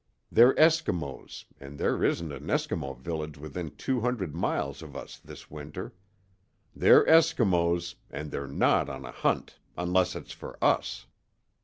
They're Eskimos, and there isn't an Eskimo village within two hundred miles of us this winter. They're Eskimos, and they're not on a hunt, unless it's for us!"